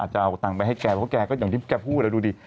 จะเอาตังค์ไปให้แกเพราะแกก็อย่างที่แกพูดแล้วดูดิ